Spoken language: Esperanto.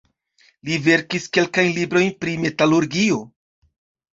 Li verkis kelkajn librojn pri metalurgio.